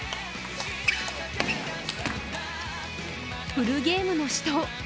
フルゲームの死闘。